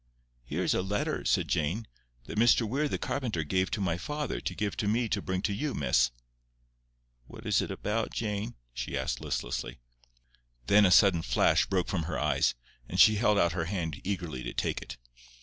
"Here is a letter," said Jane, "that Mr Weir the carpenter gave to my father to give to me to bring to you, miss." "What is it about, Jane?" she asked listlessly. Then a sudden flash broke from her eyes, and she held out her hand eagerly to take it.